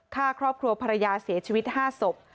ฆ่าครอบครัวภรรยาเสียชีวิต๕ศพ